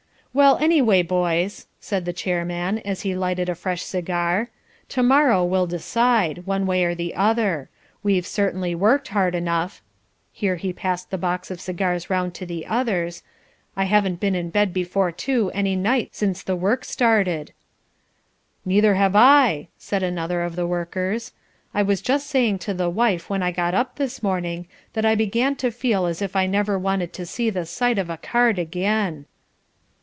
"Well, anyway, boys," said the Chairman, as he lighted a fresh cigar, "to morrow will decide, one way or the other. We've certainly worked hard enough," here he passed the box of cigars round to the others "I haven't been in bed before two any night since the work started." "Neither have I," said another of the workers. "I was just saying to the wife when I got up this morning that I begin to feel as if I never wanted to see the sight of a card again."